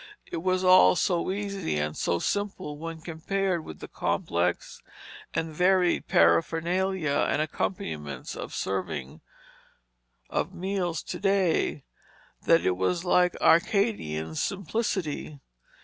It was all so easy and so simple when compared with the complex and varied paraphernalia and accompaniments of serving of meals to day, that it was like Arcadian simplicity.